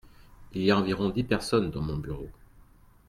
Il y a environ dix personnes dans mon bureau.